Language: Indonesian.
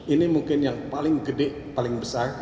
ini mungkin yang paling besar